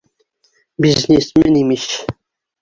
Бизнесмен, имеш!